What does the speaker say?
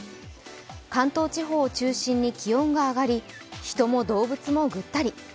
関東地方を中心に気温が上がり人も動物もぐったり。